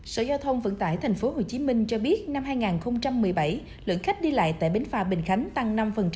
sở giao thông vận tải tp hcm cho biết năm hai nghìn một mươi bảy lượng khách đi lại tại bến phà bình khánh tăng năm